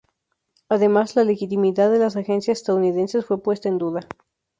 Además, la legitimidad de las agencias estadounidenses fue puesta en duda.